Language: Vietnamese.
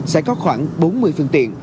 sẽ có khoảng bốn mươi phương tiện